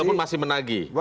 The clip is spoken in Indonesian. walaupun masih menagi